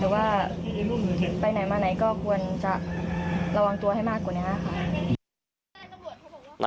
ว่าไปไหนมาไหนก็ควรจะระวังตัวให้มากกว่านี้ค่ะ